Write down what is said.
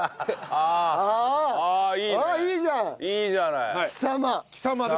ああいいじゃない。